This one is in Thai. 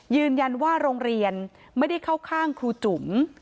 ยืนยันว่าโรงเรียนไม่ได้เข้าข้างครูจุ๋ม